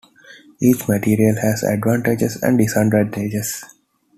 Each material has advantages and disadvantages.